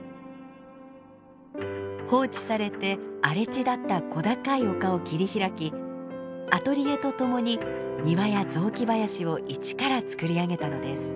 放置されて荒れ地だった小高い丘を切り開きアトリエとともに庭や雑木林をいちからつくり上げたのです。